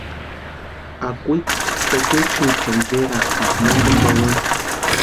Akwitsi tekechuechani cherasïnti mantani pawani.